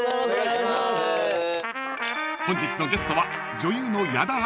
［本日のゲストは］